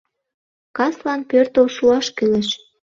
Каслан пӧртыл шуаш кӱлеш.